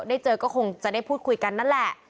เจอก็คงจะได้พูดคุยกันนั่นแหละ